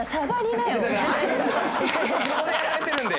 それやられてるんで。